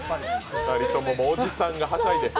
２人とも、おじさんがはしゃいで。